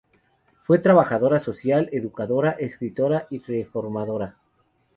Fue trabajadora social, educadora, escritora y reformadora.